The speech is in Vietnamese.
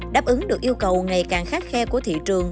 đáp ứng được yêu cầu ngày càng khắc khe của thị trường